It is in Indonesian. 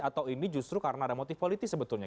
atau ini justru karena ada motif politik sebetulnya